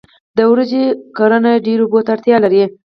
د وریجو کرنه ډیرو اوبو ته اړتیا لري.